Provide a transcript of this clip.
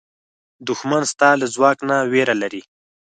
دښمن ستا له ځواک نه وېره لري